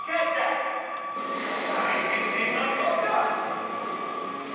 対戦チームはこちら！